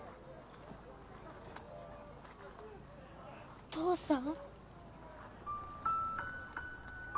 お父さん？